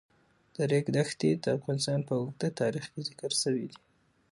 د ریګ دښتې د افغانستان په اوږده تاریخ کې ذکر شوی دی.